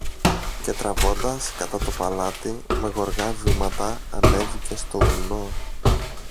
και τραβώντας κατά το παλάτι, με γοργά βήματα ανέβηκε στο βουνό